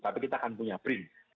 tapi kita akan punya brin